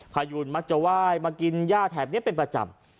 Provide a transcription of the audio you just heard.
พายูนมักจะไหว้มากินย่าแถบนี้เป็นประจำ